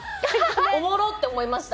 おもろっ！って思いました。